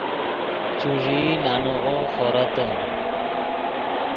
چوݱیئی لانیغو خورتّے